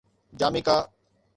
Jamaica